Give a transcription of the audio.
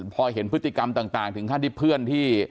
พอเห็นพฤติกรรมต่างถึงขั้นที่เพื่อนที่